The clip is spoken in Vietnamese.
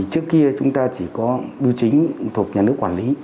trên kia chúng ta chỉ có điều chính thuộc nhà nước quản lý